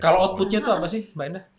kalau outputnya itu apa sih mbak enda